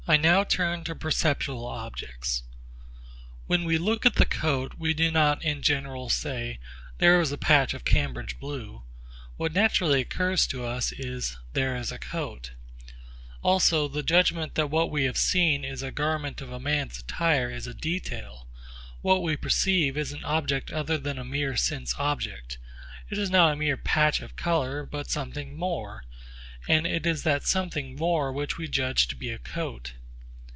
I now turn to perceptual objects. When we look at the coat, we do not in general say, There is a patch of Cambridge blue; what naturally occurs to us is, There is a coat. Also the judgment that what we have seen is a garment of man's attire is a detail. What we perceive is an object other than a mere sense object. It is not a mere patch of colour, but something more; and it is that something more which we judge to be a coat.